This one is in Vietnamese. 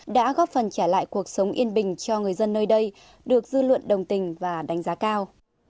đã góp phần trả lại cuộc sống yên bình cho người dân nơi đây được dư luận đồng tình và đánh giá cao